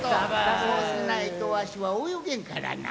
そうしないとわしはおよげんからな。